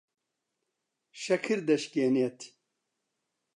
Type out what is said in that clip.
شەکر دەشکێنێت.